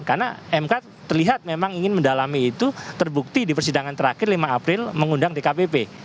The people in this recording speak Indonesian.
karena mk terlihat memang ingin mendalami itu terbukti di persidangan terakhir lima april mengundang dkpp